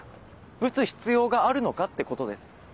ぶつ必要があるのかってことです。